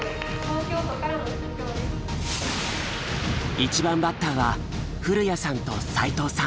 １番バッターは古谷さんと齋藤さん。